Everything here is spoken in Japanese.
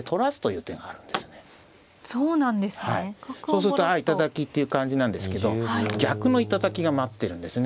そうするとあ頂きっていう感じなんですけど逆の頂きが待ってるんですね。